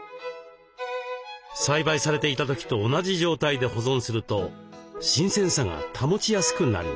栽培されていた時と同じ状態で保存すると新鮮さが保ちやすくなります。